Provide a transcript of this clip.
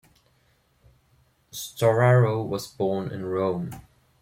Storaro was born in Rome.